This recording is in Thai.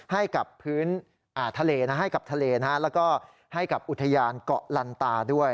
ให้กับผืนทะเลแล้วก็ให้กับอุทยานเกาะลันตาด้วย